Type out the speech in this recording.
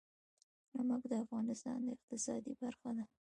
نمک د افغانستان د اقتصاد برخه ده.